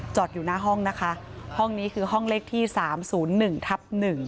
อยู่หน้าห้องนะคะห้องนี้คือห้องเลขที่๓๐๑ทับ๑